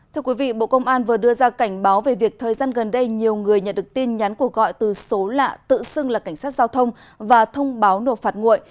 thưa quý vị bộ công an vừa đưa ra cảnh báo về việc thời gian gần đây nhiều người nhận được tin nhắn của gọi từ số lạ tự xưng là cảnh sát giao thông và thông báo nộp phạt nguội